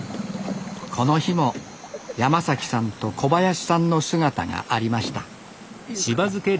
この日も山さんと小林さんの姿がありましたいいですか。